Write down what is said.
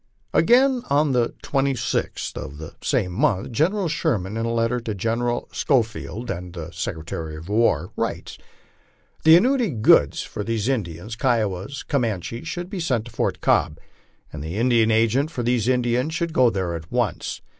Again, on the 26th of the same month, General Sherman, in a letter to Gen eral Schofield, then Secretary of War, writes: "The annuity goods for these Indians, Kiowas and Comanches, should be sent to Fort Cobb, and the Indian agent for these Indians should go there at once.